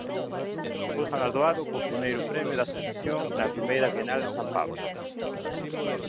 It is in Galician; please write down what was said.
Foi galardoado co primeiro premio da exposición da Primeira Bienal de San Pablo.